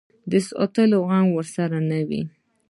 د ساتلو غم ورسره نه وي.